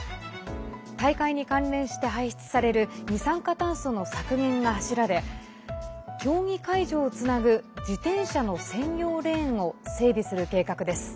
大会に関連して排出される二酸化炭素の削減が柱で競技会場をつなぐ自転車の専用レーンを整備する計画です。